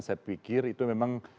saya pikir itu memang